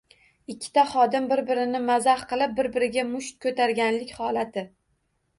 Ikkita xodim bir-birini mazax qilib, bir-biriga musht ko‘targanlik holati